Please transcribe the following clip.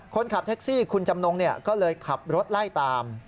คนขับแท็กซี่คุณจำนงก็เลยขับรถไล่ตาม